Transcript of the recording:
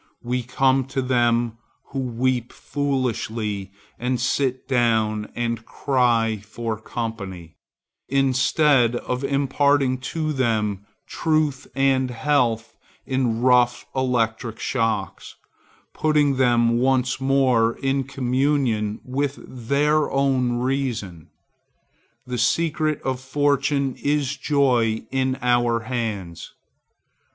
We come to them who weep foolishly and sit down and cry for company, instead of imparting to them truth and health in rough electric shocks, putting them once more in communication with their own reason. The secret of fortune is joy in our hands.